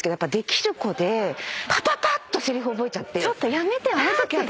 ちょっとやめてよ。